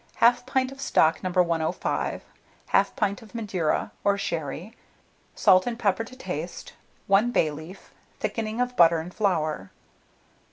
1/2 pint of stock No. 105, 1/2 pint of Madeira or sherry, salt and pepper to taste, 1 bay leaf, thickening of butter and flour.